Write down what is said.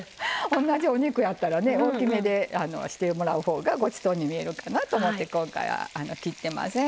同じお肉やったら大きめでしてもらったほうがごちそうに見えるかなと思って今回は切ってません。